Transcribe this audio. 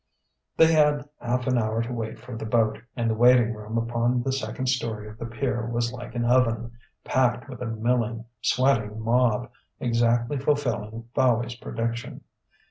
They had half an hour to wait for the boat, and the waiting room upon the second storey of the pier was like an oven, packed with a milling, sweating mob exactly fulfilling Fowey's prediction.